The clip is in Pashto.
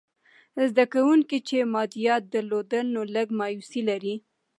زده کوونکي چې مادیات درلودل، نو لږ مایوسې لري.